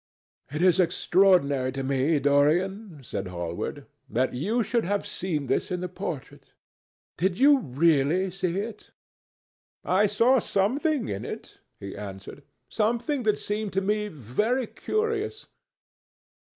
"It is extraordinary to me, Dorian," said Hallward, "that you should have seen this in the portrait. Did you really see it?" "I saw something in it," he answered, "something that seemed to me very curious."